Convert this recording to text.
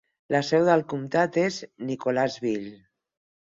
La seu del comtat és Nicholasville.